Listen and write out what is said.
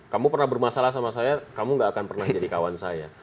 kamu pernah bermasalah sama saya kamu gak akan pernah jadi kawan saya